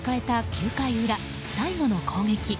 ９回裏最後の攻撃。